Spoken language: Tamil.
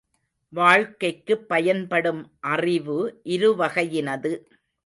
வாழ்க்கைக்குப் பயன்படும் அறிவு இரு வகையினது.